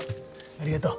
ありがとう。